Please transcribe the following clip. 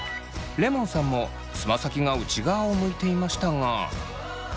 レモンさんもつま先が内側を向いていましたが。